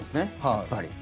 やっぱり。